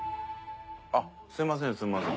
あっすいませんすいません。